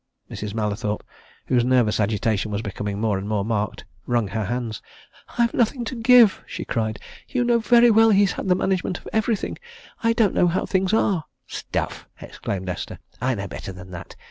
Mrs. Mallathorpe, whose nervous agitation was becoming more and more marked, wrung her hands. "I've nothing to give!" she cried. "You know very well he's had the management of everything I don't know how things are " "Stuff!" exclaimed Esther. "I know better than that.